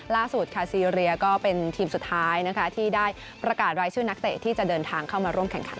ล่าสุดค่ะซีเรียก็เป็นทีมสุดท้ายนะคะที่ได้ประกาศรายชื่อนักเตะที่จะเดินทางเข้ามาร่วมแข่งขัน